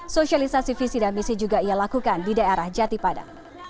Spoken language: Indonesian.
sosialisasi visi dan misi juga ia lakukan di daerah jatipada